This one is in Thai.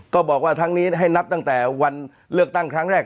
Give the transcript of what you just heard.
ก็บอกว่าทั้งนี้ให้นับตั้งแต่วันเลือกตั้งครั้งแรก